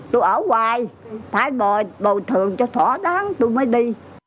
tôi ở hoài phải bầu thường cho thỏa đáng tôi mới đi